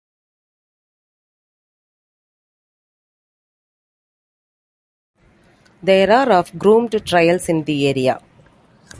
There are of groomed trails in the area.